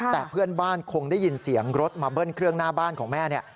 แต่เพื่อนบ้านคงได้ยินเสียงรถมาเบิ้ลเครื่องหน้าบ้านของแม่เนี่ย